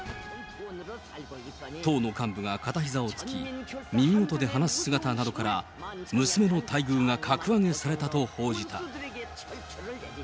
党の幹部が片ひざをつき、耳元で話す姿などから、娘の待遇が格上げされたと報じた。